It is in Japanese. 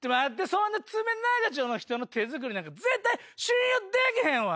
そんな爪長の人の手作りなんか絶対信用できへんわ。